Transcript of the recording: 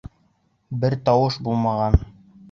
Бер тауыш булмаған.